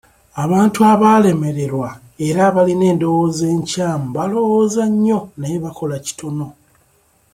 Abantu abaalemererwa era abalina endowooza enkyamu balowooza nnyo naye bakola kitono.